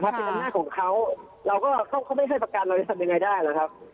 เป็นอำนาจของเขาเราก็เขาไม่ให้ประกันเราจะทำยังไงได้นะครับ